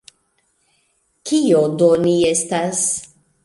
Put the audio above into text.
Kio do ni estas?